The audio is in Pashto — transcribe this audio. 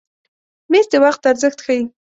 مېز د وخت ارزښت ښیي.